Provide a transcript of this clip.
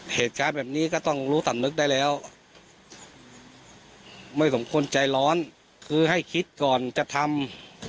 เหตุการณ์แบบนี้ก็ต้องรู้สำนึกได้แล้วไม่สมควรใจร้อนคือให้คิดก่อนจะทำ